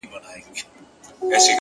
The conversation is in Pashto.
خوله يوه ښه ده، خو خبري اورېدل ښه دي،